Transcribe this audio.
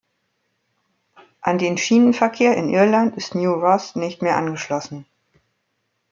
An den Schienenverkehr in Irland ist New Ross nicht mehr angeschlossen.